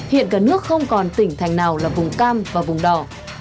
hiện cả nước không còn tỉnh thành nào là vùng cam và vùng đỏ